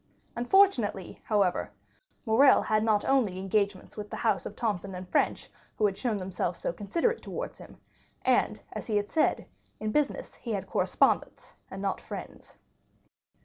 Unfortunately, however, Morrel had not only engagements with the house of Thomson & French, who had shown themselves so considerate towards him; and, as he had said, in business he had correspondents, and not friends.